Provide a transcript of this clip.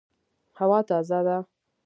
هوا تازه ده